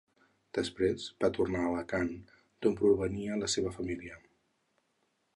Després, va tornar a Alacant, d’on provenia la seva família.